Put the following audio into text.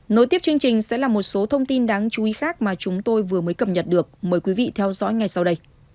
nối tiếp chương trình sẽ là một số thông tin đáng chú ý khác mà chúng tôi vừa mới cập nhật được mời quý vị theo dõi ngay sau đây